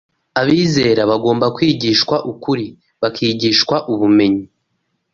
abizera bagomba kwigishwa ukuri, bakigishwa ubumenyi